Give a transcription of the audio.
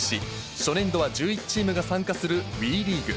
初年度は１１チームが参加するＷＥリーグ。